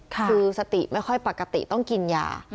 คือสติไม่ค่อยปกติต้องกินยา